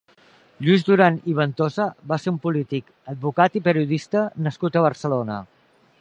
Lluís Duran i Ventosa va ser un polític, advocat i periodista nascut a Barcelona.